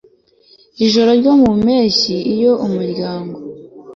Ijoro ryo mu mpeshyi iyo umuryango